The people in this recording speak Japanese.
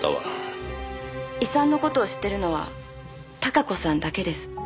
遺産の事を知ってるのは貴子さんだけです。